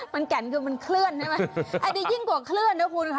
มันแก่นคือมันเคลื่อนใช่ไหมอันนี้ยิ่งกว่าเคลื่อนนะคุณค่ะ